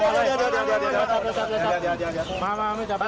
มาไม่จับ